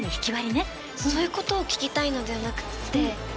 そういうことを聞きたいのではなくって。